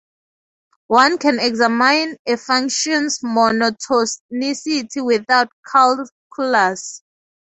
One can examine a function's monotonicity without calculus.